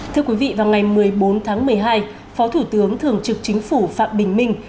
thưa quý vị vào ngày một mươi bốn tháng một mươi hai phó thủ tướng thường trực chính phủ phạm bình minh